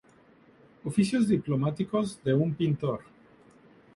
Oficios diplomáticos de un pintor